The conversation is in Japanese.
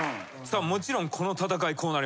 もちろんこの戦いこうなりました。